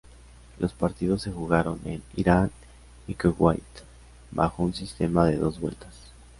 Los partidos se jugaron en Irán y Kuwait bajo un sistema de dos vueltas.